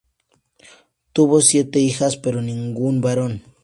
Tuvo siete hijas pero ningún barón.